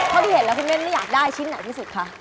เท่าที่เห็นแล้วคุณแม่ไม่อยากได้ชิ้นไหนที่สุดคะ